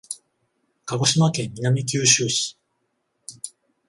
鹿児島県南九州市